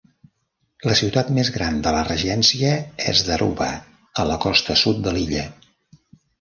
La ciutat més gran de la regència és Daruba, a la costa sud de l'illa.